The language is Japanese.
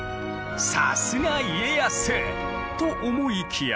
さすが家康！と思いきや。